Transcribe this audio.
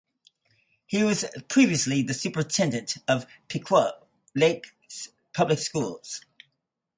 He was previously the superintendent of Pequot Lakes Public Schools.